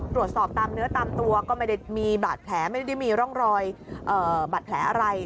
ตามเนื้อตามตัวก็ไม่ได้มีบาดแผลไม่ได้มีร่องรอยบาดแผลอะไร